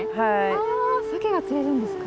あサケが釣れるんですか？